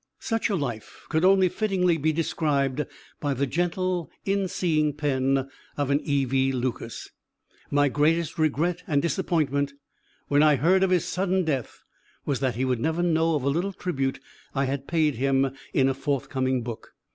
Such a life could only fittingly be described by the gentle, inseeing pen of an E. V. Lucas. My greatest regret and disappointment, when I heard of his sudden death, was that he would never know of a little tribute I had paid him in a forthcoming book.